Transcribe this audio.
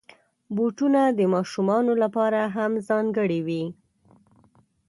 بوټونه د ماشومانو لپاره هم ځانګړي وي.